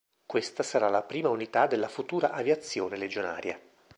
Questa sarà la prima unità della futura Aviazione Legionaria.